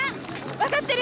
分かってる！